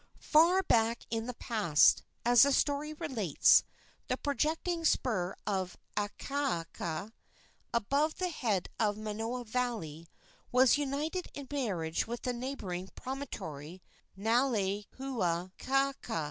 Far back in the past, as the story relates, the projecting spur of Akaaka, above the head of Manoa Valley, was united in marriage with the neighboring promontory of Nalehuaakaaka.